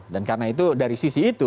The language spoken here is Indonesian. dan karena itu dari sisi itu